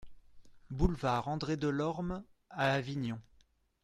Boulevard André Delorme à Avignon